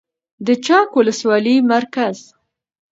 د چک ولسوالۍ مرکز